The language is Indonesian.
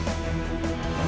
aku gak berani